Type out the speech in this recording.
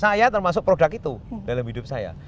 saya termasuk produk itu dalam hidup saya